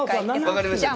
分かりました。